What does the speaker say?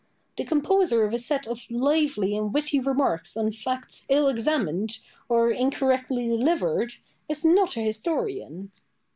The composer of a set of lively and witty remarks on facts ill examined, or incorrectly delivered, is not an historian.